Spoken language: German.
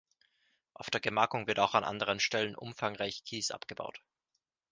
Auf der Gemarkung wird auch an anderen Stellen umfangreich Kies abgebaut.